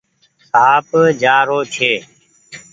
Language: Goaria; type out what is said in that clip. سآنپ جآ رو ڇي۔